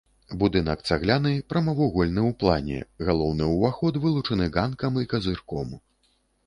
Будынак цагляны, прамавугольны ў плане, галоўны ўваход вылучаны ганкам і казырком.